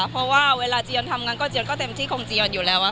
เพราะว่าเวลาเจียนทำงานก็เจียนก็เต็มที่ของเจียอนอยู่แล้ว